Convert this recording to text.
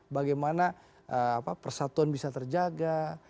bagaimana persatuan bisa terjaga